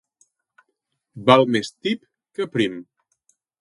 Val més tip que prim.